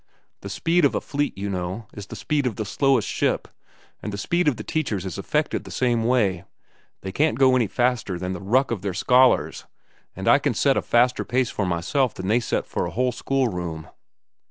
The speed of a fleet, you know, is the speed of the slowest ship, and the speed of the teachers is affected the same way. They can't go any faster than the ruck of their scholars, and I can set a faster pace for myself than they set for a whole schoolroom."